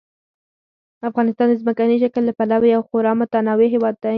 افغانستان د ځمکني شکل له پلوه یو خورا متنوع هېواد دی.